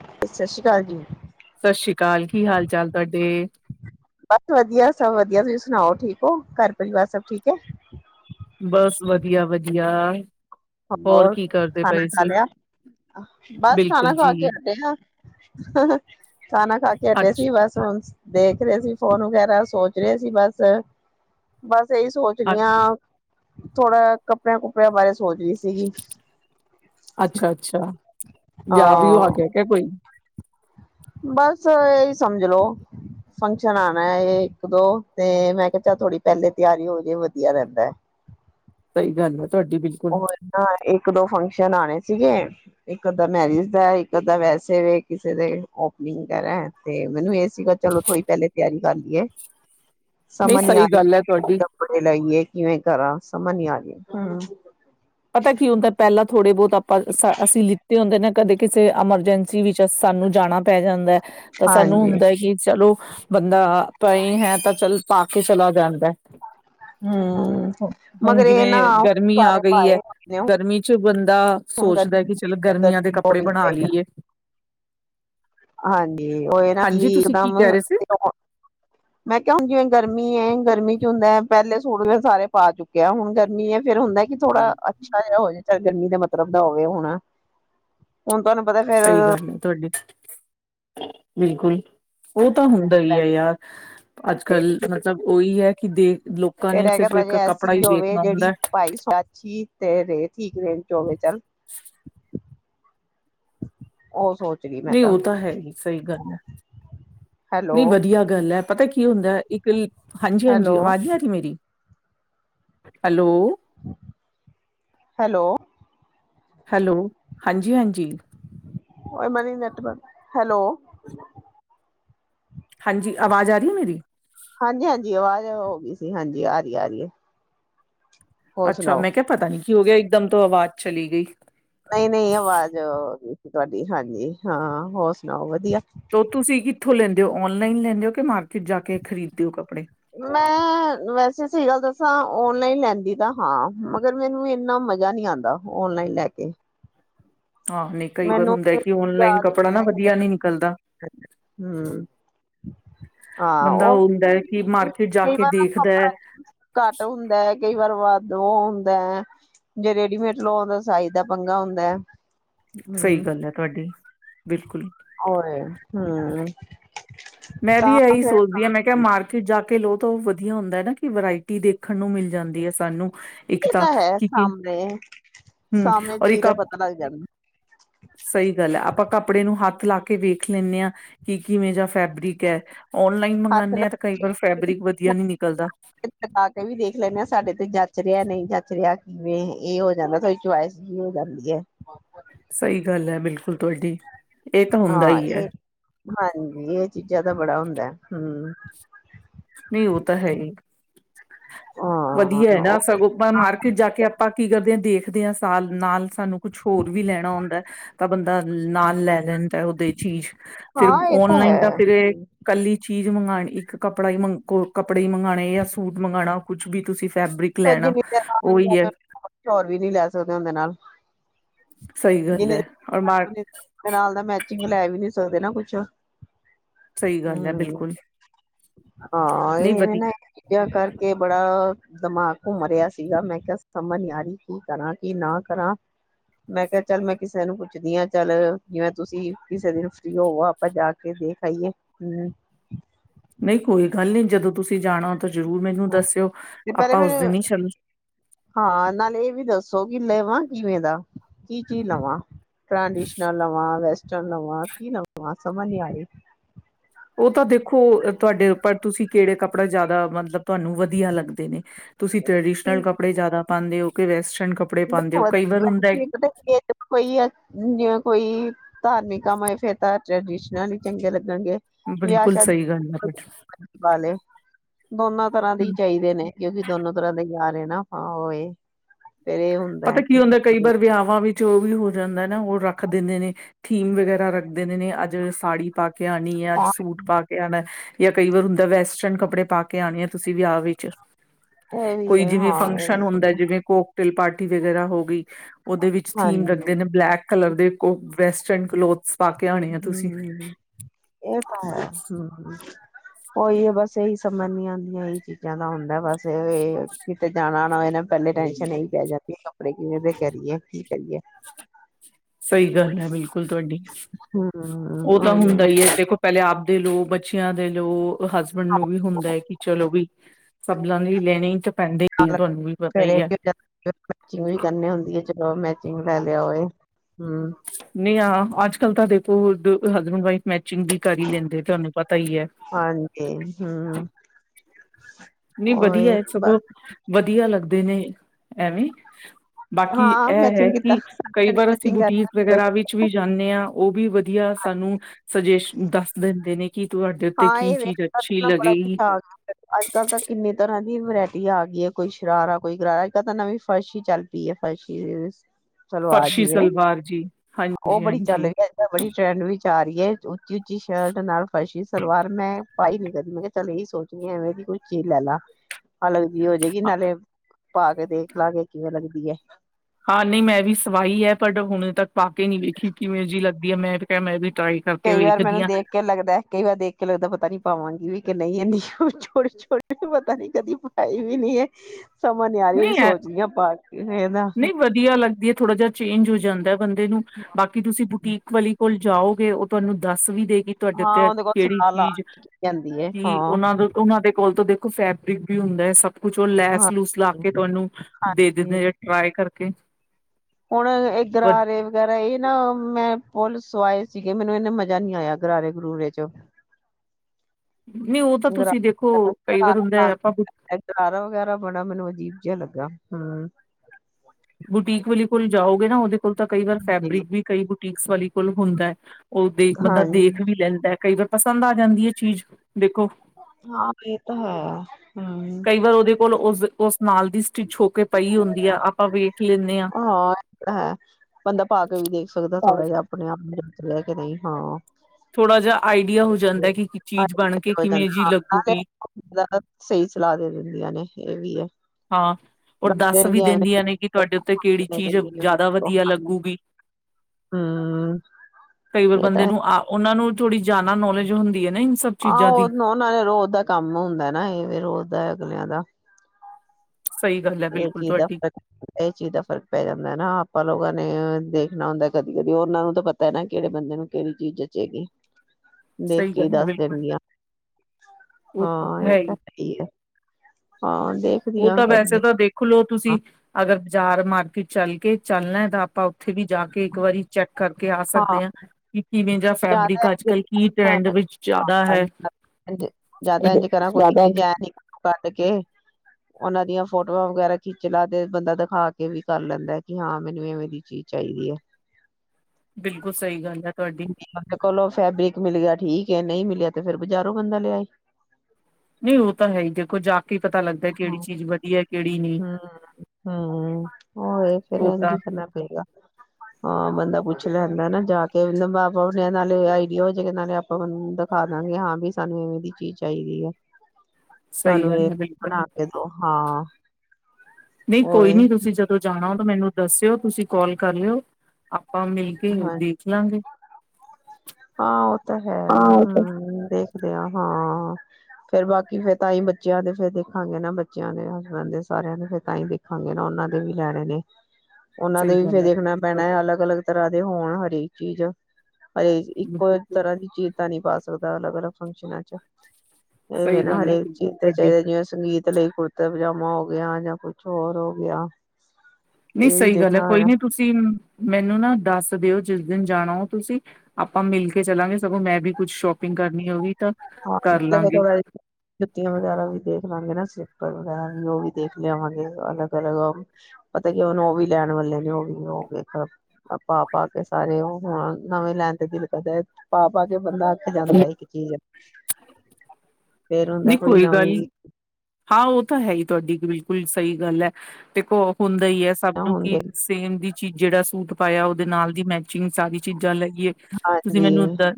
ਸਤਿ ਸ਼੍ਰੀ ਅਕਾਲ ਜੀ, ਸਤਿ ਸ੍ਰੀ ਅਕਾਲ ਕੀ ਹਾਲ-ਚਾਲ ਤੁਹਾਡੇ, ਬਸ ਵਧੀਆ ਸਬ ਵਧੀਆ ਤੁਸੀਂ ਸੁਣਾਓ ਠੀਕ ਹੋ ਘਰ ਪਰਿਵਾਰ ਸਬ ਠੀਕ ਹੈ। ਬਸ ਵਧੀਆ ਵਧੀਆ, ਹੋਰ ਕੀ ਕਰਦੇ ਖਾਣਾ ਪਏ ਖਾ ਸੀ ਲਿਆ, ਬਸ ਖਾਣਾ ਬਿਲਕੁਲ ਖਾ ਕੇ ਜੀ ਹਟਿਆ ਖਾਣਾ ਖਾ ਕੇ ਹਟੇ ਅੱਜ ਸੀ ਬਸ ਹੁਣ ਦੇਖ ਰਹੇ ਸੀ ਫੋਨ ਵਗੈਰਾ ਸੋਚ ਰਹੇ ਸੀ ਬਸ-ਬਸ, ਸਹੀ ਸੋਚ ਰਹੀ ਹਾਂ। ਥੋੜਾ ਕੱਪੜਿਆਂ ਕੁੱਪੜਿਆਂ ਬਾਰੇ। ਹੋਜੀ ਅੱਛਾ ਅੱਛਾ ਵਿਆਹ ਵੀ ਉਹ ਹਾਂ ਆ ਗਿਆ ਕ ਕੋਈ ਬਸ ਇਹਹੀ ਸਮਝ ਲੋੋ ਫੰਕਸ਼ਨ ਆਉਣਾ ਇਹ ਇੱਕ ਦੋ ਤੇ ਮੈਂ ਕਿਹਾ ਚੱਲ ਥੋੜੀ ਪਹਿਲੇ ਤਿਆਰੀ ਹੋ ਜਾੇ ਵਧੀਆ ਰਹਿੰਦਾ ਹੈ ਸਹੀ ਗੱਲ ਹੈ ਤੁਹਾਡੀ ਬਿਲਕੁਲ ਹੋਰ ਨਾ ਇੱਕ ਦੋ ਫੰਕਸ਼ਨ ਆਣੇ ਸੀਗੇ ਇੱਕ ਅੱਧਾ ਮੈਰਿਜ ਦਾ ਇੱਕ ਅੱਧਾ ਵੈਸੇ ਵ ਕਿਸੇ ਦੇ ਓਪਨਿੰਗ ਵਗੈਰਾ ਤੇ ਮੈਨੂੰ ਇਹ ਸੀਗਾ ਚਲੋ ਥੋੜੀ ਪਹਿਲੇ ਤਿਆਰੀ ਕਰ ਲਈਏ ਨਹੀਂ ਸਮਾਂ ਨੀ ਸਹੀ ਆਈ ਗੱਲ ਹੈ ਤੁਹਾਡੀ ਕੱਪੜੇ ਲਾਈਏ ਕਿਵੇਂ ਕਰਾਂ ਸਮਾਂ ਨੀ ਆਈ ਹਾਂ ਪਤਾ ਕੀ ਹੁੰਦਾ ਪਹਿਲਾਂ ਥੋੜ੍ਹੇ ਬਹੁਤ ਆਪ ਅਸੀਂ ਲਿੱਤੇ ਹੁੰਦੇ ਨੇ ਕਦੇ ਕਿਸੇ ਐਮਰਜੈਂਸੀ ਵਿੱਚ ਸਾਨੂੰ ਜਾਣਾ ਪੈ ਜਾਂਦਾ ਤਾਂ ਸਾਨੂੰ ਹਾਂਜੀ ਹੁੰਦਾ ਹੈ ਕਿ ਚਲੋ ਬੰਦਾ ਤਾਂ ਹੀ ਹੈ ਤਾਂ ਚੱਲ ਪਾ ਕੇ ਚਲਾ ਜਾਂਦਾ ਹਮ ਹੁ ਹੁਣ ਮਗਰ ਇਹ ਜਿਵੇਂ ਨਾ ਗਰਮੀ ਆ ਸਾਰੇ ਗਈ ਪਾਏ ਐ। ਨੇ ਹੁਣ ਗਰਮੀ ਚ ਬੰਦਾ ਦਾ ਗਰਮੀ ਸੋਚਦਾ ਕਿ ਚਲੋ ਗਰਮੀਆਂ ਦੇ ਗਰਮੀ ਕੱਪੜੇ ਅਕੋਰਡਿੰਗ ਬਣਾ ਚਾਹੀਦਾ ਲਈਏ ਹਾਂਜੀ ਉਹ ਇਹ ਨਾ ਹਾਂਜੀ ਕਿ ਤੁਸੀਂ ਕੀ ਕਹਿ ਰਹੇ ਸੀ ਇੱਕਦਮ ਮੈਂ ਕਿਹਾ ਹੁਣ ਜਿਵੇਂ ਗਰਮੀ ਹੈ ਗਰਮੀ ਚ ਹੁੰਦਾ ਪਹਿਲੇ ਸੂਟ ਮ ਸਾਰੇ ਪਾ ਚੁੱਕਿਆ ਹੁਣ ਗਰਮੀ ਹੈ ਫਿਰ ਹੁੰਦਾ ਥੋੜਾ ਅੱਛਾ ਜਿ ਹੋ ਜਾਵੇ ਚ ਗਰਮੀ ਦਾ ਮਤਲਬ ਤਾਂ ਹੋਵੇ ਹੁਣ ਹੁਣ ਤੁਹਾਨੂੰ ਪਤਾ ਫੇਰ ਸਹੀ ਗੱਲ ਹੈ ਤੁਹਾਡੀ ਬਿਲਕੁਲ ਉਹ ਤਾਂ ਹੁੰਦਾ ਹੀ ਹੈ ਯਾਰ ਅੱਜ ਕੱਲ ਮਤਲਬ ਉਹੀ ਹੈ ਕਿ ਦੇ ਲੋਕਾਂ ਨੇ ਫਿਰ ਇਹ ਕਿਹਾ ਸਿਰਫ ਭਾ ਜੇ ਇੱਕ ਕੱਪੜਾ ਹੀ ਐਸੀ ਹੋਵੇ ਵੇਖਣਾ ਜਿਹੜੀ ਹੁੰਦਾ ਭਾਈ ਸਆਛੀ ਤੇ ਰਹੇ ਠੀਕ ਰਹੇ ਜੋਵੇ ਚੱਲ ਉਹ ਸੋਚ ਰਹੀ ਮੈਂ ਨਹੀਂ ਉਹ ਤਾਂ ਹੈ ਹੀ ਸਹੀ ਗੱਲ ਹੈ ਹੈਲੋ ਨਹੀਂ ਵਧੀਆ ਗੱਲ ਹੈ ਪਤਾ ਕੀ ਹੁੰਦਾ ਇੱਕ ਹਾਂਜੀ ਹਾਂਜੀ ਹੈਲੋ ਆਵਾਜ਼ ਆ ਰ ਮੇਰੀ ਹੈਲੋ ਹੈਲੋ ਹੈਲੋ ਹਾਂਜੀ ਹਾਂਜੀ ਓ ਮਨੀ ਨੈਟਵਕ ਹੈਲੋ ਹਾਂਜੀ ਆਵਾਜ਼ ਆ ਰਹੀ ਹੈ ਮੇਰੀ ਹਾਂਜੀ ਹਾਂਜੀ ਆਵਾਜ਼ ਹੋ ਗਈ ਸੀ ਹਾਂਜੀ ਆ ਰਹੀ ਆ ਰਹੀਏ ਅੱਛਾ ਮੈਂ ਕਿਹਾ ਪਤਾ ਨੀ ਕੀ ਹੋ ਗਿਆ ਇੱਕ ਦਮ ਤੋਂ ਆਵਾਜ਼ ਚਲੀ ਗਈ ਨਹੀਂ ਨਹੀਂ ਆਵਾਜ਼ ਗਈ ਸੀ ਤੁਹਾਡੀ ਹਾਂਜੀ ਹਾਂ ਹੋਰ ਸੁਣਾਓ ਵਧੀਆ ਤੋਂ ਤੁਸੀਂ ਇੱਥੋਂ ਲੈਂਦੇ ਹੋ ਔਨਲਾਈਨ ਲੈਂਦੇ ਹੋ ਕਿ ਮਾਰਕੀਟ ਜਾ ਕੇ ਖਰੀਦ ਦੇ ਓ ਕੱਪੜੇ ਮੈਂ ਵੈਸੇ ਸਹੀ ਗੱਲ ਦੱਸਾਂ ਓਨਲਾਈਨ ਲੈਂਦੀ ਤਾਂ ਹਾਂ ਮਗਰ ਮੈਨੂੰ ਇਨਾ ਮਜ਼ਾ ਨਹੀਂ ਆਉਂਦਾ ਓਨਲਾਈਨ ਲੈ ਕੇ ਆਹੋ ਨਹੀਂ ਕਈ ਵਾਰ ਮੈਨੂੰ ਹੁੰਦਾ ਕਿ ਔਨਲਾਈਨ ਬਾਜ਼ਾਰ ਕੱਪੜਾ ਵਿੱਚ ਨਾ ਲੈ ਵਧੀਆ ਕੇ ਨੀ ਨਿਕਲਦਾ ਹਮ ਹਾਂ ਬੰਦਾ ਉਹ ਹੁੰਦਾ ਹੈ ਕਿ ਮਾਰਕੀਟ ਜਾ ਕਈ ਕੇ ਵਾਰ ਦੇਖਦਾ ਹੈ ਕੱਪੜਾ ਘੱਟ ਹੁੰਦਾ ਕਈ ਵਾਰ ਵੱਧ ਉਹ ਹੁੰਦਾ ਹੈ ਜੇ ਰੇਡੀਮੇਡ ਲੋ ਹੁੰਦਾ ਏ ਸਾਈਜ਼ ਦਾ ਪੰਗਾ ਹੁੰਦਾ ਸਹੀ ਹਮ ਗੱਲ ਹੈ ਤੁਹਾਡੀ ਬਿਲਕੁਲ ਹਮ ਮੈਂ ਵੀ ਤਾਂ ਇਹੀ ਫਿਰ ਸੋਚਦੀ ਹਾਂ ਮੈਂ ਕਿਹਾ ਮਾਰਕੀਟ ਜਾ ਕੇ ਲੋ ਤੋਂ ਵਧੀਆ ਹੁੰਦਾ ਹੈ ਨਾ ਕਿ ਵਰਾਇਟੀ ਦੇਖਣ ਨੂੰ ਮਿਲ ਜਾਂਦੀ ਹੈ ਸਾਨੂੰ ਇੱਕ ਇਹ ਤਾਂ ਹੈ ਕਿ ਸਾਹਮਣੇ ਹਮ ਸਾਹਮਣੇ ਔਰ ਚੀਜ਼ ਇੱਕ ਦਾ ਪਤਾ ਲੱਗ ਜਾਂਦਾ ਸਹੀ ਗੱਲ ਹੈ ਆਪਾਂ ਕੱਪੜੇ ਨੂੰ ਹੱਥ ਲਾ ਕੇ ਵੇਖ ਲੈਂਦੇ ਹਾਂ ਕਿ ਕਿਵੇਂ ਜਾਂ ਫੈਬਰਿਕ ਹੈ ਓਨਲਾਈਨ ਹੱਥ ਮੰਗਾਂਨੇ ਆ ਤੇ ਲੱ ਕਈ ਵਾਰ ਫੈਬਰਿਕ ਵਧੀਆ ਨੀ ਨਿਕਲਦਾ ਲਗਾ ਕੇ ਵੀ ਦੇਖ ਲੈਂਦੇ ਹਾਂ ਸਾਡੇ ਤੇ ਜੱਚ ਰਿਹਾ ਨਹੀਂ ਜਾਂਚ ਰਿਹਾ ਕਿਵੇਂ ਇਹ ਹੋ ਜਾਂਦਾ ਡੀ ਚੁਆਇਸ ਜ ਹੋ ਜਾਂਦੀ ਹੈ ਸਹੀ ਗੱਲ ਹੈ ਬਿਲਕੁਲ ਤੁਹਾਡੀ ਇਹ ਤਾਂ ਹੁੰਦਾ ਹਾਂ ਹੀ ਹੈ ਇਹ ਹਾਂਜੀ ਇਹ ਚੀਜ਼ਾਂ ਦਾ ਬੜਾ ਹੁੰਦਾ ਹਮ ਨਹੀਂ ਉਹ ਤਾਂ ਹੈ ਨਹੀਂ ਵਧੀਆ ਹੈ ਹਾਂ ਨਾ ਸਗੋਂ ਆਪਾਂ ਮਾਰਕੀਟ ਜਾ ਕੇ ਆਪਾਂ ਕੀ ਕਰਦੇ ਹਾਂ ਦੇਖ ਸਾਲ ਨਾਲ ਸਾਨੂੰ ਕੁਛ ਹੋਰ ਵੀ ਲੈਣਾ ਹੁੰਦਾ ਤਾਂ ਬੰਦਾ ਨਾਲ ਲੈ ਲੈਣ ਉਹਦੇ ਚੀਜ਼ ਫੇਿਰ ਹਾਂ ਇਹ ਓਨਲਾਈਨ ਹੈ ਤਾਂ ਫੇਿਰ ਹਮ, ਇਕੱਲੀ ਚੀਜ਼ ਮੰਗਵਾਉਣੀ ਇੱਕ ਕੱਪੜਾ ਹੀ ਮੰਗ ਕੋ ਕੱਪੜੇ ਹੀ ਮੰਗਾਉਣੇ ਜਾਂ ਸੂਟ ਮੰਗਵਾਉਣਾ ਕੁੱਝ ਵੀ ਤੁਸੀਂ ਫੈਬਰਿਕ ਰ ਵੀ ਲੈਣਾ ਉਹੀ ਹੈ ਨੀ ਲੈ ਸਕਦੇ ਓਦੇ ਨਾਲ ਸਹੀ ਗੱਲ ਜਿੰਨੀ ਹੈ ਔਰ ਮਾਰ ਦੇਰ ਮੈ ਚਿੰਗ ਲੈ ਵੀ ਨੀ ਸਕਦੇ ਨਾ ਕੁਛ ਹਮ ਸਹੀ ਗੱਲ ਹੈ ਹ ਬਿਲਕੁਲ ਨਹੀਂ ਇਹ ਵਧੀ ਮਨ ਕਰਕੇ ਬੜਾ ਦਿਮਾਗ ਘੁੰਮ ਰਿਹਾ ਸੀਗਾ ਮੈਂ ਕਿਹਾ ਸਮਝ ਨਹੀਂ ਆ ਰਹੀ ਕੀ ਕਰਾਂ ਕੀ ਨਾ ਕਰਾਂ ਮੈਂ ਕਿਹਾ ਚੱਲ ਮੈਂ ਕਿਸੇ ਨੂੰ ਪੁੱਛਦੀ ਹਾਂ ਚੱਲ ਜਿਵੇਂ ਤੁਸੀਂ ਕਿਸੇ ਦਿਨ ਫਰੀ ਹੋਵੋ ਆਪਾਂ ਜਾ ਕੇ ਦੇਖ ਆਈਏ ਹਮ ਨਹੀਂ ਕੋਈ ਗੱਲ ਨਹੀਂ ਜਦੋਂ ਤੁਸੀਂ ਜਾਣਾ ਤਾਂ ਜਰੂਰ ਮੈਨੂੰ ਹਾਂ ਦੱਸਿਓ ਤੇ ਪਹਿਲੇ ਆਪਾਂ ਉਸ ਮੈਨੂੰ ਦਿਨ ਹੀ ਚੱਲ ਹਾਂ ਨਾਲ ਇਹ ਵੀ ਦੱਸੋ ਕਿ ਲਵਾਂ ਕਿਵੇਂ ਦਾ ਕੀ ਚੀ ਲਵਾਂ ਟਰਡੀਸ਼ਨਲ ਲਵਾਂ ਵੈਸਟਰਨ ਲਵਾਂ ਕੀ ਲਵਾਂ ਸਮਝ ਨੀ ਆਈ ਉਹ ਤਾਂ ਦੇਖੋ ਤੁਹਾਡੇ ਉਪਰ ਤੁਸੀਂ ਕਿਹੜੇ ਕੱਪੜਾ ਜਿਆਦਾ ਮਤਲਬ ਤੁਹਾਨੂੰ ਵਧੀਆ ਲੱਗਦੇ ਨੇ ਤੁਸੀਂ ਟ੍ਰਡੀਸ਼ਨਲ ਕੱਪੜੇ ਜ਼ਿਆਦਾ ਪਾਉਂਦੇ ਉਹ ਵੈਸਟ ੋੈ ਪਤਾ ਕੋਈਿਵੇ ਕੋਈ ਧਾਰਮਿਕ ਕੰਮਾਂ ਫਰ ਤਾਂ ਟਰਡੀਨਾਂ ਹੀ ਚੰਗੇ ਲ ਣਗੇ ਵਿਆਹ ਬਿਲਕੁਲ ਸ਼ਾਦ ਸਹੀ ਗੱਲ ਹੈ ਤੁਹਾਡੀ ਪਾ ਲੇ ਦੋਨਾਂ ਤਰ੍ਹਾਂ ਦੇ ਹਮ ਚਾਹੀਦੇ ਨੇ ਕਿਉਂਕਿ ਦੋਨੋ ਤਰ੍ਹਾਂ ਦੇ ਯ ਰ ਨਾ ਆਪਾਂ ਉਹ ਇਹ ਹੁੰਦਾ ਪਤਾ ਹੈ ਕੀ ਕਿ ਹੁੰਦਾ ਕਈ ਵਾਰ ਵਿਆਹਵਾਂ ਵਿੱਚ ਜੋ ਵੀ ਹੋ ਜਾਂਦਾ ਉਹ ਰੱਖ ਦਿੰਦੇ ਨੇ ਥੀਮ ਵਗੈਰਾ ਰੱਖ ਦਿੰਦੇ ਨੇ ਅੱਜ ਸਾੜੀ ਪਾ ਕੇ ਆਉਣੀ ਹੈ ਅੱਜ ਹਾਂ ਸੂਟ ਪਾ ਕੇ ਆਉਣਾ ਜਾਂ ਕਈ ਵਾਰ ਹੁੰਦਾ ਵੈਸਟਰਨ ਕੱਪੜੇ ਪਾ ਕੇ ਆਣੇ ਆ ਤੁਸੀਂ ਵਿਆਹ ਵਿੱਚ ਇਹ ਵੀ ਕੋਈ ਹੈ ਜਿਵੇਂ ਹਾਂ ਇਹ ਫੰਕਸ਼ਨ ਵੀ ਹੁੰਦਾ ਸੁਣਿਆ ਜਿਵੇਂ ਕੋ ਤਿਲ ਪਾਰਟੀ ਵਗੈਰਾ ਹੋ ਗਈ ਉਹਦੇ ਵਿੱਚ ਥੀਮ ਹਾਂਜੀ ਰੱਖਦੇ ਨੇ ਬਲੈਕ ਕਲਰ ਦੇ ਵੈਸਟਰਨ ਕਲੋਥ ਹਮ ਹ ਇਹ ਤਾਂ ਹਮ ਹ ਉਹੀ ਹੈ ਬਸ ਇਹੀ ਸਮਝ ਨੀ ਆਉਂਦੀਆਂ ਇਹੀ ਚੀਜ਼ਾਂ ਦਾ ਹੁੰਦਾ ਬਸ ਇਹ ਕਿਤੇ ਜਾਣਾਣਾ ਇਹ ਨਾ ਪਹਿਲੇ ਟੈਸ਼ਨ ਨਹੀਂ ਪੈ ਜਾਂਦੀ ਕੱਪੜੇ ਕਿਵੇਂ ਦੇ ਕਰੀਏ ਕਰਏ ਸਹੀ ਗੱਲ ਹੈ ਬਿਲਕੁਲ ਤੁਹਾਡੀ ਹਮ ਉਹ ਤਾਂ ਉਹੀ ਹੁੰਦਾ ਮੇਰੇ ਹੀ ਹੈ ਦੇਖੋ ਪਹਿਲੇ ਆਪਦੇ ਲੋ ਬੱਚਿਆਂ ਦੇ ਲੋ ਉਹ ਹਸਬੈਂਡ ਨੂੰ ਵੀ ਹੁੰਦਾ ਹੈ ਕਿ ਚਲੋ ਵੀ ਸਬਲਾਂ ਦੀ ਲੈਣੇ ਤਾਂ ਪੈਂਦੇ ਹੀ ਆ ਤੁਹਾਨੂੰ ਵੀ ਫ ਪਤਾ ਹੀ ਹੈ ਮੈਚਿੰਗ ਵੀ ਕਰਨੀ ਹੁੰਦੀ ਹੈ ਚਲੋ ਮੈਚਿੰਗ ਲੈ ਲਿਆਏ ਹਮ ਨਹੀਂ ਹਾਂ ਅੱਜ ਕੱਲ ਤਾਂ ਦੇਖੋ ਹਸਬੈਂਡ ਵਾਈਫ ਮੈਚਿੰਗ ਵੀ ਕਰੀ ਲੈਂਦੇ ਤੁਹਾਨੂੰ ਪਤਾ ਹੀ ਹੈ ਹਾਂਜੀ ਹਮ ਨਹੀਂੀ ਵਧੀਆ ਉਹ ਹੈ ਸਗੋਂ ਬਸ ਵਧੀਆ ਲੱਗਦਾ ਦੇਨ ਐਵੇਂ ਬਾਕੀ ਹਾਂ ਇਹ ਹੈ ਮੈਚਿੰਗ ਕੀਤਾ ਕਿ ਕਈ ਵਾਰ ਅਸੀਂ ਮੈਚਿੰਗ ਬੁਟੀਕ ਕਰ ਵਗੈਰਾ ਵਿਚ ਵੀ ਜਾਂਦੇ ਹਾਂ ਉਹ ਵੀ ਵਧੀਆ ਸਾਨੂੰ ਸਜੈ ਦੱਸ ਦਿੰਦੇ ਨੇ ਕਿ ਤੁਹਾਡੇ ਉੱਤੇ ਹਾਂ ਕੀ ਇਹ ਵੇ ਚੀਜ਼ ਅੱਛੀ ਤਾਂ ਬੜਾ ਕੁਛ ਲਗੇਗੀ ਆ ਗਿਆ ਅੱਜ ਕੱਲ੍ਹ ਤਾਂ ਕਿੰਨੀ ਤਰ੍ਹਾਂ ਦੀ ਵਰਾਇਟੀ ਆ ਗਈ ਹੈ ਕੋਈ ਸ਼ਰਾਰਾ ਕੋਈ ਗਰਾਰਾ ਇੱਕ ਤਾਂ ਨਵੀ ਫਰਸ਼ੀ ਹੀ ਚੱਲ ਪ ਪ ਐ ਫਸ਼ ਚਲੋ ਆ ਫਰਸ਼ੀ ਜਾਵੇ ਸਲਵਾਰ ਜੀ ਉਹ ਹਾਂਜੀ ਬੜੀ ਚੱਲ ਹਾਂਜੀ ਰਹੀ ਬੜੀ ਟਰੈਂਡ ਵੀ ਜਾ ਰਹੀਂ ਏ ਉੱਚ ੱਚੀ ਸ਼ਰਟ ਨਾਲ ਫਰਾਸ਼ੀ ਸਲਵਾਰ ਮੈਂ ਪਾਈ ਨੀ ਕਦੀ ਮੈਂ ਕਿਹਾ ਚੱਲ ਇਹੀ ਸੋਚਣੀ ਐਵੇਂ ਵੀ ਕੋਈ ਚੀਜ਼ ਲੈ ਲਾ ਅਲਗ ਜਿਹੀ ਹੋ ਜਾਏਗੀ ਨਾਲੇ ਪਾ ਕੇ ਦੇਖ ਲਾਗੇ ਕਿਵੇਂ ਲੱਗਦਾ ਏ ਹਾਂ ਨਹੀਂ ਮੈਂ ਵੀ ਸਵਾਈ ਹੈ ਬਟ ਹੁਣ ਤੱਕ ਪਾ ਕੇ ਨੀੇ ਵੇਖੀ ਖ ਕਿਵੇਂ ਜੀ ਲੱ ਦੀ ਮੈਂ ਤੇ ਕਿਹਾ ਮੈਂ ਵੀ ਟਰਾਈ ਕਰਕੇ ਕਈ ਵਾਰ ਵੇਖਦੀ ਮੈਨੂੰ ਹਾਂ ਦੇਖ ਕੇ ਲੱਗਦਾ ਕਈ ਵਾਰ ਦੇਖ ਕੇ ਲੱਗਦਾ ਪਤਾ ਨੀ ਪਾਵਾਂਗੀ ਵੀ ਨਹੀਂ ਆਦੀ ਉਹ ਛੋਟੀ ਛੋਟੀ ਪਤਾ ਨੀ ਕਦੀ ਪਾਈ ਵੀ ਨੀ ਹੈ ਸਮਝ ਨੀ ਆ ਰਹੀ ਉਹੀ ਨਹੀਂ ਹੈ ਸੋਚ ਰਹੀ ਹਾਂ ਪਾ ਕੇ ਇਹਦਾ ਨਹੀਂ ਵਧੀਆ ਲੱਗਦੀ ਹੈ ਥੋੜ੍ਹਾ ਜਿਹਾ ਚੇਂਜ ਹੋ ਜਾਂਦਾ ਬੰਦੇ ਨੂੰ ਬਾਕੀ ਤੁਸੀਂ ਬੁਟੀਕ ਵਾਲੀ ਕੋਲ ਜਾਓਗੇ ਉਹ ਤੁਹਾਨੂੰ ਦੱਸ ਵੀ ਦੇ ਕਿ ਤੁਹਾਡੇ ਹਾਂ ਉੱਤੇ ਉਹਦੇ ਕੋਲ ਕਿਹੜੀ ਸਲਾਹ ਲਾ ਚੀਜ਼ ਕੇ ਕਹਿੰਦੀ ਹੈ ਕੀ ਹਾਂ ਉਹਨਾਂ ਉਹਨਾਂ ਦੇ ਕੋਲ ਤੋਂ ਦੇਖੋ ਫੈਬਰਿਕ ਵੀ ਹੁੰਦਾ ਹੈ ਸਭ ਕੁਛ ਉਹ ਲੈਸ ਲੂਸ ਲਾ ਹਾਂਜੀ ਤੁਹਾਨੂੰ ਦੇ ਹਾਂਜੀ ਦਿੰਦੇ ਟਰਾਈ ਕਰ ਓਕੇ ਹੁਣ ਇਹ ਗਰਾਰੇ ਵਗੈਰਾ ਇਹ ਨਾ ਮੈਂ ਪੁਲ ਸਵਾਏ ਸੀਗੇ ਮੈਨੂੰ ਇਨੇ ਮਜ਼ਾ ਨਹੀਂ ਆਇਆ ਗਰਾਰੇ ਗਰੂੇ ਚ ਨਹੀਂ ਉਹ ਤਾਂ ਾਰਾ ਤੁਸੀਂ ਦੇਖੋ ਕਈ ਵਾਰ ਹੁੰਦਾ ਹੈ ਆਪਾਂ ਵਗੈਰਾ ਬਣ ਮੈਨੂੰ ਅਜੀਬ ਅਜੀਬ ਜਿਹਾ ਲੱਗਾ ਹਮ ਬੁਟੀਕ ਵਾਲੀ ਕੋਲ ਜਾਓਗੇ ਨਾ ਉਹਦੇ ਕੋਲ ਤਾਂ ਕਈ ਵਾਰ ਫੈਬਰਿਕ ਵੀ ਕਈ ਬੁਟੀਕਸ ਵਾਲੀ ਕੋਲ ਹੁੰਦਾ ਹੈ ਉਹ ਦੇਖ ਬੰਦਾ ਹਾਂਜੀ ਦੇਖ ਵੀ ਲੈਂਦਾ ਕਈ ਵਾਰ ਪਸੰਦ ਆ ਜਾਂਦੀ ਹੈ ਚੀਜ਼ ਦੇਖੋ ਹਾਂ ਇਹ ਤਾਂ ਹੈ ਹਮ ਕਈ ਵਾਰ ਉਹਦੇ ਕੋਲ ਉਸ ਉਸ ਨਾਲ ਦੀ ਛ ਹੋ ਕੇ ਪਈ ਹੁੰਦੀ ਆ ਵੇਖ ਲੈਂਦੇ ਹਾਂ ਤਾਂ ਹੈ ਬੰਦਾ ਪਾ ਕੇ ਵੀ ਦੇਖ ਸਕਦਾ ਥੋੜਾ ਜੇਹਾ ਆਪਣੇ ਆਪ ਨੂੰ ਲੈ ਕੇ ਰਹੀਂ ਹਾਂ ਥੋੜਾ ਜਿਹਾ ਆਈਡੀਆ ਹੋ ਜਾਂਦਾ [unintelligible] ਕਿ ਚੀਜ਼ ਬਣ ਕੇ ਕਿਵੇਂ ਜੀ ਲੱਗੂਗੀ ਨਾਲੇ ਸਹੀ ਸਲਾਹ ਦੇ ਦਿੰਦੀਆਂ ਨੇ ਏਹ ਏ ਵੀ ਐ। ਹਾਂ। ਔਰ ਦੱਸ ਵੀ ਦਿੰਦੀਆਂ ਨੇ ਕਿ ਤੁਵਾਡੇ ਉੱਤੇ ਕੇੜੀ ਕੀਤੀ, ਐਵੇਂ ਚੀਜ਼ ਨਹੀਂ ਹੋਈ। ਜੈਦਾ ਵਧੀਆ ਹਾਂ, ਲੱਗੂਗੀ, ਹਮ ਕਈ ਵਾਰ ਇਹ ਤਾਂ ਬੰਦੇ ਹੈ ਨੂੰ ਆ ਔਨਾਂ ਨੂੰ ਥੋੜੀ ਜਾਣਾ ਨੌਲੇਜ ਹੁੰ ਆਹੋ ਨੋਨਾਏ ਰੋਜ਼ ਦਾ ਕੰਮ ਹੁੰਦਾ ਏਨਾ, ਏਵੇ ਰੋਜ਼ ਦਾ ਅਗਲਿਆਂ ਦਾ‌। ਸਹੀ ਗੱਲ ਹੈ ਏ ਬਿਲਕੁਲ ਕਿਦਾ ਤੁਹਾਡੀ ਫਰਕ ਏਹ ਚੀਜ਼ ਦਾ ਫ਼ਰਕ ਪੈ ਜਾਂਦੈ ਨਾ, ਅਪਾਂ ਲੋਗਾ ਨੇ ਦੇਖਣਾ ਹੁੰਦੈ ਕਦੀ ਕਦੀ ਔਨਾਂ ਨੂੰ ਤਾਂ ਪਤਾ ਏਨਾ ਕੇੜੇ ਬੰਦੇ ਨੂੰ ਕੇੜੀ ਚੀਜ਼ ਜਚੇਗੀ। ਦੇਖ ਸਹੀ ਕੇ ਈ ਗੱਲ ਹੈ ਦੱਸ ਬਿਲਕੁਲ ਦੇਣਗੀਆਂ, ਉਹ ਹਾਂ ਏਹ ਹੈ ਤਾਂ ਹੀ ਹੈਹੀ ਐ। ਹਾਂ, ਦੇਖ ਰੀਆਂ ਕਰਦੀ ਖੁਲੋ ਤੁਸੀਂ ਅਗਰ ਬਜ਼ਾਰ ਮਾਰਕੀਟ ਚੱਲ ਕੇ ਚੱਲਣਾ ਹੈ ਤਾਂ ਅਪਾਂ ਉੱਥੇ ਵੀ ਜਾ ਕੇ ਇੱਕ ਵਾਰੀ ਚੈੱਕ ਕਰਕੇ ਆ ਸਕਦੇ ਆਂ ਕਿ ਕਿਵੇਂ ਜਾਂ ਜੈਦਾ ਫੈਬਰਿਕ ਅੱਜ ਕੱਲ੍ਹ ਕੀ ਟਰੈਂਡ [unintelligible] ਵਿੱਚ ਜ਼ਿਆਦਾ ਹੈ ਜਾਤਾਂ ਇੰਝ ਕਰਾਂ ਕੋਈ ਜ਼ਿਆਦਾ [unintelligible] ਨ ਕਢ ਕੇ। ਓਨਾਂ ਦੀਆਂ ਫੋਟੋਆਂ ਵਗੈਰਾ ਖਿੱਚ ਲਾ ਤੇ ਬੰਦਾ ਦਿਖਾ ਕੇ ਵੀ ਕਰ ਲੈਂਦੈ ਕਿ ਹਾਂ ਮੈਨੂੰ ਇਵੇਂ ਦੀ ਚੀਜ਼ ਚਾਈਦੀ ਐ। ਬਿਲਕੁਲ ਸਹੀ ਗੱਲ ਹੈ। ਤੁਹਾਡੀ ਔਦੇ ਕੋਲੋਂ ਫੈਬਰਿਕ ਮਿਲ ਗਿਆ। ਠੀਕ ਹੈ ਨਹੀਂ ਮਿਲਿਆ ਤੇ ਫੇਰ ਬਜ਼ਾਰੋਂ ਬੰਦਾ ਲਿਆਏ। ਨਹੀਂ ਓਹ ਤਾਂ ਹੈ ਹੀ ਦੇਖੋ ਜਾ ਕੇ ਈ ਪਤਾ ਲੱਗਦੈ ਕੇੜੀ ਚੀਜ਼ ਵਧੀਐ ਹੂੰ ਹੂੰ ਔਏ ਫੇਰ ਉਹ ਤਾਂ ਐੰਜੀ ਕਰਨਾ ਪਏਗਾ, ਹਾਂ ਬੰਦਾ ਪੁੱਛ ਲੈਂਦਾ ਨਾ ਜਾ ਕੇ ਨਵਾ ਫੋਨ ਐ, ਨਾਲੇ ਆਈਡੀਆ ਹੋਜੇਗਾ, ਨਾਲੇ ਆਪਾਂ ਔਨਾਨ ਦਿਖਾ ਦਾਂਗੇ, ਹਾਂ ਬਈ ਸਾਨੂੰ ਏਵੇਂ ਦੀ ਚੀਜ਼ ਚਾਈਦੀ ਐ। ਸਹੀ ਸਾਨੂੰ ਗੱਲ ਏਹ ਹੈ ਬਣਾ ਕੇ ਦੋ ਹਾਂ। ਨਈ ਕੋਈ ਉਹਏ ਨੀ ਤੁਸੀਂ ਜਦੋਂ ਜਾਣਾ ਤ ਮੈਨੂੰ ਦੱਸਿਓ ਤੁਸੀਂ ਕਾਲ ਕਰ ਲਿਓ, ਆਪ ਅਪਾਂ ਮਿਲ ਕੇ ਈ ਹਾਂ ਦੇਖ ਲਾਂਗੇ। ਹਾਂ, ਔ ਤਾਂ ਹੈ ਆਹੋ ਤੇ ਹੂੰ ਦੇਖਦੇ ਆਂ ਹਾਂ। ਹਾਂ, ਫੇਰ ਬਾਕੀ ਫੇਰ ਤਾਂਈ ਬੱਚਿਆਂ ਦੇ ਫੇਰ ਦੇਖਾਂਗੇ ਨਾ ਬੱਚਿਆਂ ਦੇ, ਸਾਰਿਆਂ ਦੇ ਫੇਰ ਤਾਂਈ ਦੇਖਾਂਗੇ ਨਾ ਔਨਾਂ ਦੇ ਵੀ ਲੈਣੇ ਨੇ। ਔਨਾਂ ਦੇ ਸਹੀ ਵੀ ਫੇਰ ਗੱਲ ਹੈ ਦੇਖਣਾ ਬਿਲਕੁਲ ਪੈਣੈ, ਤੁਹਾਡੀ ਅਲੱਗ ਅਲੱਗ ਤਰ੍ਹਾਂ ਦੇ ਹੋਣ ਹਰੀਕ ਚੀਜ਼ ਆ, ਅਰੇ ਕੋਈ ਏਕ ਬਿਲਕੁਲ ਤਰ੍ਹਾਂ ਦੀ ਚੀਜ਼ ਤਾਂ ਨੀ ਪਾ ਸਕਦੇ ਅਲਗ ਅਲਗ ਫੰਕਸ਼ਨਾਂ ਚ ਏਹ ਵੀ ਸਹੀ ਨਾ ਗੱਲ ਹੈ ਹਰੇਕ ਚੀਜ਼ ਬਿਲਕੁਲ ਤੇ ਤੁਹਾਡੀ ਚਾਹੀਦ ਜਿਵੇਂ ਸੰਗੀਤ ਲਈ ਕੁੜਤਾ ਪਜਾਮਾ ਹੋਗ ਗਿਆ ਜਾਂ ਕੁਛ ਹੋਰ ਹੋ ਗਿਆ ਨਹੀਂ ਇਹ ਵੀ ਸਹੀ ਗੱਲ ਹੈ ਕੋਈ ਦੇਖਣਾ ਨੀ ਤੁਸੀਂ ਮੈਨੂੰ ਨਾ ਦੱਸ ਦਿਓ ਜਿਸ ਦਿਨ ਜਾਣਾ ਹੋ ਤੁਸੀਂ ਆਪਾਂ ਮਿਲ ਕੇ ਚੱਲਾਂਗੇ ਸਗੋਂ ਮੈਂ ਵੀ ਕੁੱਛ ਸ਼ੋਪਿੰਗ ਕਰਨੀ ਹੋਗੀ ਤਾਂ ਕਰ ਲਾਂਗੇ ਹਾਂ ਜੁੱਤੀਆਂ ਵਗੈਰਾ ਵੀ ਦੇਖ ਲਵਾਂਗੇ ਨਾ ਸਲੀਪਰ ਵਗੈਰਾ ਵੀ ਉਹ ਵੀ ਦੇਖ ਲਿਆਵਾਂਗੇ ਅਲੱਗ ਅਲੱਗ ਪਤਾ ਕੀ ਹੁਣ ਉਹ ਵੀ ਲੈਣ ਵਾਲੇ ਨੇ ਉਹ ਵੀ ਹੋਗੇ ਪਾ ਪਾ ਕੇ ਸਾਰੇ ਉਹ ਹੁਣ ਨਵੇਂ ਲੈਣ ਤੇ ਦਿਲ ਕਰਦਾ ਪਾ ਪਾ ਆ ਕੇ ਬੰਦਾ ਅੱਕ ਜਾਂਦਾ ਇੱਕ ਚੀਜ਼ [inaudible] ਫੇਰ ਹੁੰਦਾ ਨਹੀਂ ਕੋਈ ਗੱਲ ਨਵੀਂ ਹਾਂ ਉਹ ਤਾਂ ਹੈ ਹੀ ਤੁਹਾਡੀ ਬਿਲਕੁਲ ਸਹੀ ਗੱਲ ਹੈ ਦੇਖੋ ਹੁਣ ਲਿਆ ਹੀ ਹੈ ਸਭ ਨੂੰ ਕਿ ਹੁੰਦੇ ਸੇਮ ਦੀ ਚੀਜ਼ ਜਿਹੜਾ ਸੂਟ ਪਾਇਆ ਉਹਦੇ ਨਾਲ ਦੀ ਮੈਚਿੰਗ ਸਾਰੀ ਚੀਜ਼ਾਂ ਲਈ ਤੁਸੀਂ ਹਾਂਜੀ ਮੈਨੂੰ ਦਾਂ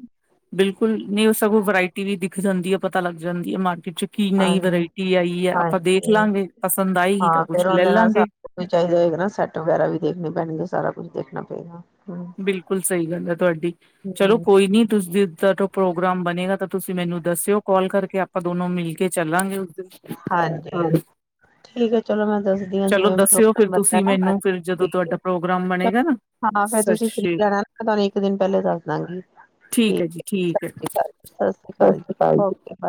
ਬਿਲਕੁਲ ਨਹੀਂ ਉਹ ਸਗੋ ਵਰਾਇਟੀ ਵੀ ਦਿਖ ਜਾਂਦੀ ਹੈ ਪਤਾ ਲੱਗ ਜਾਂਦੀ ਹੈ ਮਾਰ ਵਿੱਚ ਕੀ ਨਈ ਹਾਂਜੀ ਵਰਾਇਟੀ ਆਈ ਹੈ ਆਪਾਂ ਦੇਖ ਹਾਂਜੀ ਲਾਂਗੇ ਪਸੰਦ ਆਏਗੀ ਹਾਂ ਤਾਂ ਕੁਛ ਫੇਰ ਲੈ ਉਹਦੇ ਨਾਲ ਸ ਲਾਂਗੇ ਵੀ ਚਾਹੀਦਾ ਹੋਏ ਨਾ ਸੈੱਟ ਵਗੈਰਾ ਵੀ ਦੇਖਣੀ ਪੈਣਗੇ ਸਾਰਾ ਕੁਛ ਦੇਖਣਾ ਪਏਗਾ ਹਮ ਬਿਲਕੁਲ ਸਹੀ ਗੱਲ ਹੈ ਤੁਹਾਡੀ ਚਲੋ ਹਮ, ਕੋਈ ਨੀ ਤੁਸੀ ਜਦ ਪ੍ਰੋਗਰਾਮ ਬਣੇਗਾ ਤਾਂ ਤੁਸੀਂ ਮੈਨੂੰ ਦੱਸਿਓ ਕਾਲ ਕਰਕੇ ਆਪਾਂ ਦੋਨੋ ਮਿਲ ਕੇ ਚੱਲਾਂਗੇ ਦਿਨ ਹਾਂਜੀ ਹਾਂ ਠੀਕ ਹੈ ਚਲੋ ਮੈਂ ਦੱਸ ਜਿ ਚਲੋ ਹ ਦੱਸਿਓ ਫਿਰ ਤੁਸੀਂ ਮੈਨੂੰ ਫਿਰ ਜਦੋਂ ਤੁਹਾਡਾ ਪ੍ਰੋਗਰਾਮ ਬਣੇਗਾ ਨਾ ਹਾਂ ਸਤਿ ਤੁਸੀਂ ਫਰੀ ਸ਼੍ਰੀ ਰਹਿਣਾ ਮੈ ਤੁਹਾਨੂੰ ਇੱਕ ਦਿਨ ਪਹਿਲ ਦੱਸ ਦਾਂਗੀ ਹੈ ਜੀ ਠੀਕ ਹੈ। ਸਤ੍ਰੀ ਅ ਸਤਿ ਸ਼੍ਰੀ ਅਕਾਲ ਜੀ ਓਕੇ ਬਾਏ